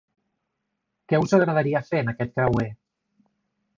Què us agradaria fer en aquest creuer?